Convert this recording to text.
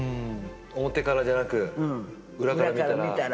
表からじゃなく、裏から見たら。